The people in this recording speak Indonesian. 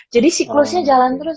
jadi siklusnya jalan terus